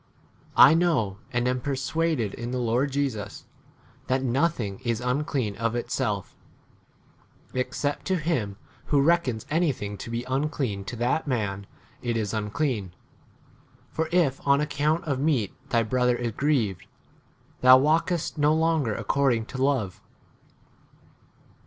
I know, and am persuaded in the Lord Jesus, that nothing is unclean of itself; ex cept to him who reckons anything to be unclean, to that man [it is] 15 unclean. For n if on account of meat thy brother is grieved, thou walkest no longer according to love.